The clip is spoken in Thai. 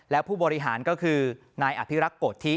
และผู้บริหารก็คือนายอภิรักษ์โกธิ